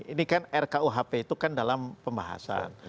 ini kan rkuhp itu kan dalam pembahasan